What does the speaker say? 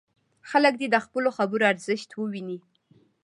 خلک دې د خپلو خبرو ارزښت وویني.